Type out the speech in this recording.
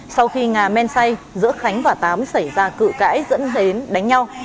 sau khi ngà men say giữa khánh và tám xảy ra cự cãi dẫn đến đánh nhau